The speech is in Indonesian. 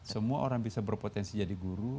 semua orang bisa berpotensi jadi guru